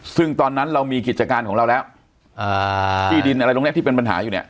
ซึ่งตอนนั้นเรามีกิจการของเราแล้วที่ดินมันเป็นปัญหาอยู่เนี่ย